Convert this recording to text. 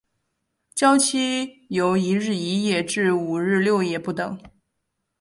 醮期由一日一夜至五日六夜不等。